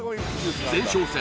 前哨戦